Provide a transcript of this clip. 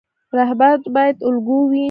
رهبر باید الګو وي